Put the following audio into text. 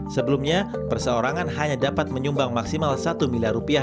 sebelumnya perseorangan hanya dapat menyumbang maksimal satu miliar rupiah